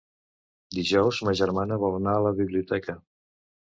Dijous ma germana vol anar a la biblioteca.